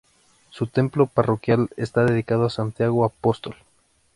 Su templo parroquial está dedicado a Santiago Apóstol.